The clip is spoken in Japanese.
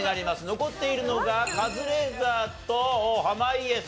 残っているのがカズレーザーと濱家さん。